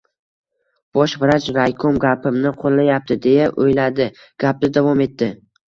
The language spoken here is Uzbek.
Bosh vrach, raykom gapimni qo‘llayapti, deya o‘yladi. Gapida davom etdi: